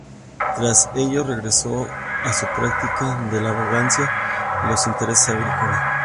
Tras ello, regresó a su práctica de la abogacía y los intereses agrícolas.